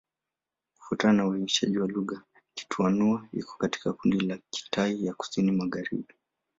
Kufuatana na uainishaji wa lugha, Kitai-Nüa iko katika kundi la Kitai ya Kusini-Magharibi.